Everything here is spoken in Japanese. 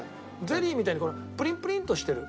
ゼリーみたいにプリンプリンとしてる。